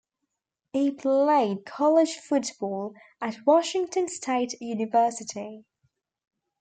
He played college football at Washington State University.